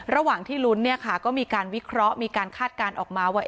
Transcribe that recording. ระหว่างที่ลุ้นก็มีการวิเคราะห์มีการคาดการณ์ออกมาว่า